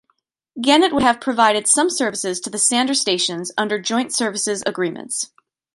Gannett would have provided some services to the Sander stations under joint services agreements.